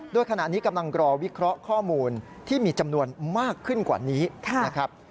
โดยขณะนี้กำลังรอวิเคราะห์ข้อมูลที่มีจำนวนมากขึ้นกว่านี้นะครับ